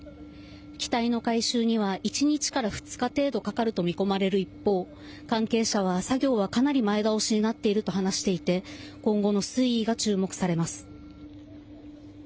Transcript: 機体の回収には１日から２日程度かかると見込まれる一方関係者は作業はかなり前倒しになっていると話していて今後の推移が注目されます。